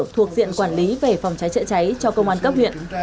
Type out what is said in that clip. thuộc diện quản lý về phòng cháy chữa cháy cho công an cấp huyện